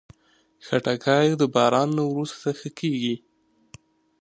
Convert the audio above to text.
خټکی د باران نه وروسته ښه کېږي.